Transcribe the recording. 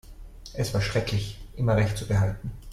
Es war schrecklich, immer Recht zu behalten.